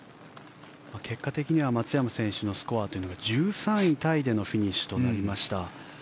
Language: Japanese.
結果的には松山選手のスコアというのが１３位タイでのフィニッシュとなりました。